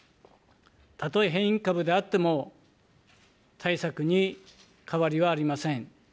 たとえ変異株であっても、対策に変わりはありません。